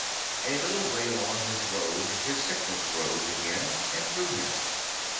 A Ii ttle wa y along his road his sickness rose again and threw him.